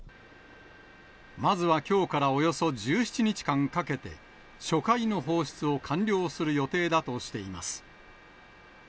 まずはきょうからおよそ１７日間かけて、初回の放出を完了する予定だとしています。